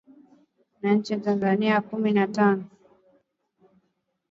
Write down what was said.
nane nchini Tanzania kumi na tatu